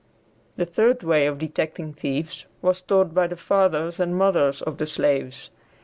The third way of detecting thieves was taught by the fathers and mothers of the slaves.